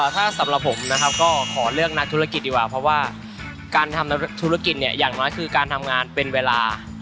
ถ้าสำหรับผมนะครับก็ขอเลือกนักธุรกิจดีกว่าเพราะว่าการทำธุรกิจเนี่ยอย่างน้อยคือการทำงานเป็นเวลา